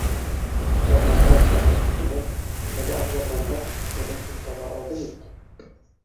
Ҡаҙнабаев уның әҫтәмә бәлә ауҙарғанда, дөрөҫ юл таба алды бит